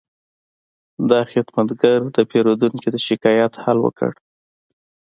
دا خدمتګر د پیرودونکي د شکایت حل وکړ.